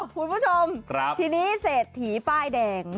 คุณผู้ชมทีนี้เศรษฐีป้ายแดง